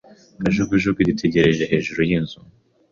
Kajugujugu idutegereje hejuru yinzu.